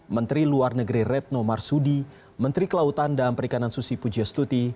menteri luar negeri retno marsudi menteri kelautan dan perikanan susi pujiastuti